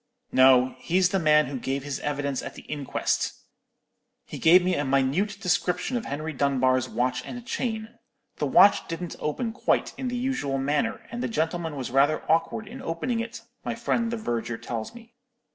"'No; he's the man who gave his evidence at the inquest. He gave me a minute description of Henry Dunbar's watch and chain. The watch didn't open quite in the usual manner, and the gentleman was rather awkward in opening it, my friend the verger tells me.